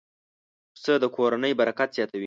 پسه د کورنۍ برکت زیاتوي.